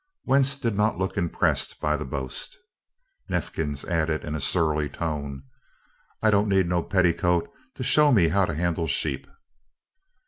Wentz did not look impressed by the boast. Neifkins added in a surly tone: "I don't need no petticoat to show me how to handle sheep."